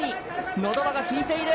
のど輪が利いている。